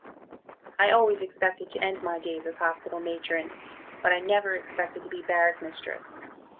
I always expected to end my Days as Hospital Matron, but I never expected to be Barrack Mistress.